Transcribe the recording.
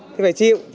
thì phải chịu